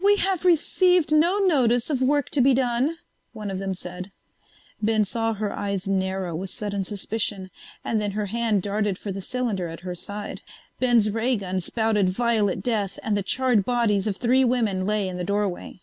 "We have received no notice of work to be done," one of them said. Ben saw her eyes narrow with sudden suspicion, and then her hand darted for the cylinder at her side. Ben's ray gun spouted violet death and the charred bodies of three women lay in the doorway.